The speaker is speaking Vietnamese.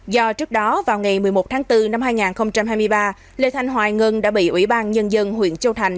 do trước đó vào ngày một mươi một tháng bốn năm hai nghìn hai mươi ba lê thanh hoài ngân đã bị ủy ban nhân dân huyện châu thành